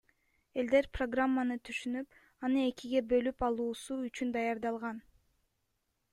Элдер программаны түшүнүп, аны экиге бөлүп алуусу үчүн даярдалган.